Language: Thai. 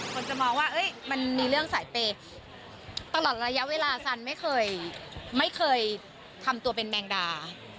คนจะมองว่ามันมีเรื่องสายเปย์ตลอดระยะเวลาซันไม่เคยไม่เคยทำตัวเป็นแมงดา